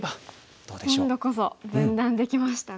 今度こそ分断できましたね。